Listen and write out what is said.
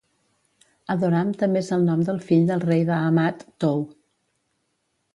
Hadoram també és el nom del fill del rei de Hamath, Tou.